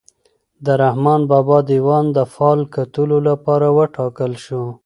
د رحمان بابا دیوان د فال کتلو لپاره وټاکل شو.